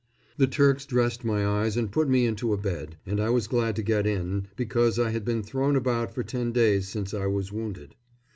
The Turks dressed my eyes and put me into a bed, and I was glad to get in, because I had been thrown about for ten days since I was wounded.